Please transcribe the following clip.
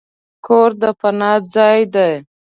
کور د پناه ځای دی.